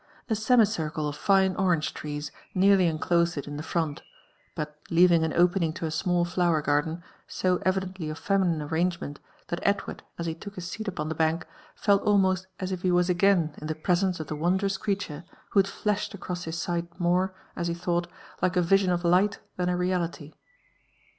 A semicircle of fine orange trees nearly enclosed it in the fron^, but leaving an opening to a small flower garden, so evidently of feminine arrangement, that Edward, as he took his seat upon the bank, felt almost asif he was again in the presence of the wondrous creature who had flashed across his sight more, as he thought, like a vision of light than a reality.